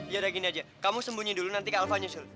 yaudah gini aja kamu sembunyi dulu nanti kak alva nyusul ya